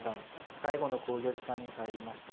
最後の考慮時間に入りました。